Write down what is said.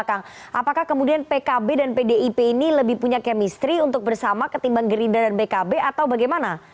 apakah kemudian pkb dan pdip ini lebih punya kemistri untuk bersama ketimbang gerindra dan pkb atau bagaimana